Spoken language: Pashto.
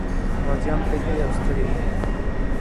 غازيان تږي او ستړي وو.